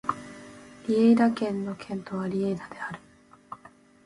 リェイダ県の県都はリェイダである